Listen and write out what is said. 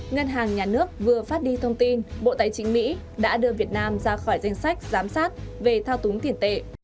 ngân hàng nhà nước vừa phát đi thông tin bộ tài chính mỹ đã đưa việt nam ra khỏi danh sách giám sát về thao túng tiền tệ